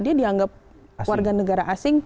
dia dianggap warga negara asing